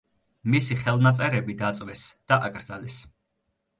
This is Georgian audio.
მისი ხელნაწერები დაწვეს და აკრძალეს.